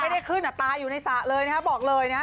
ไม่ได้ขึ้นอ่ะตายอยู่ในสระเลยนะครับบอกเลยนะฮะ